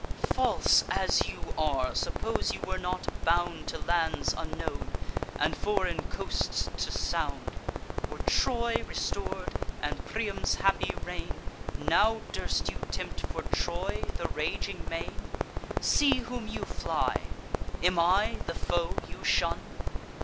False as you are, suppose you were not bound To lands unknown, and foreign coasts to sound; Were Troy restor'd, and Priam's happy reign, Now durst you tempt, for Troy, the raging main? See whom you fly! am I the foe you shun?